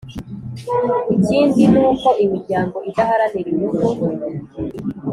ikindi ni uko imiryango idaharanira inyungu